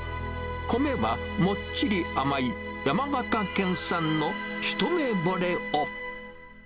米はもっちり甘い、山形県産のひとめぼれを。